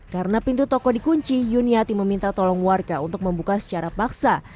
karena pintu toko dikunci yuniati meminta tolong warga untuk membuka secara paksa